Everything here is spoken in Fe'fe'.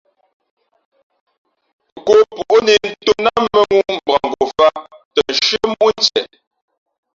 Kǒppǒʼ nē ntōm nά mᾱŋū mbakngofāt tα nshʉ́ά móʼ ntieʼ.